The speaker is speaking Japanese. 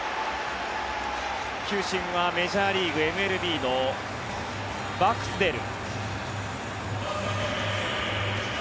球審はメジャーリーグ、ＭＬＢのバークスデール。